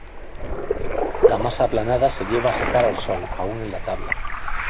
La masa aplanada se lleva a secar al sol, aún en la tabla.